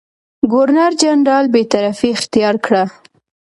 ګورنرجنرال بېطرفي اختیار کړه.